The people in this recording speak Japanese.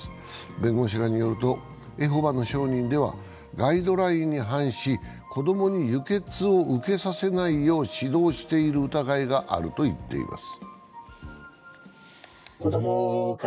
弁護士らによると、エホバの証人ではガイドラインに反し子供に輸血を受けさせないよう指導している疑いがあるといいます。